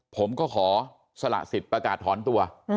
ผมก็ขอสละสิทธิ์ประกาศถอนตัว